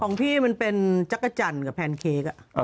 ของพี่มันเป็นจักรจันทร์กับแพนเค้ก